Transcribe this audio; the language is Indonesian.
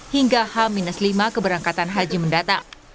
hingga h lima keberangkatan haji mendatang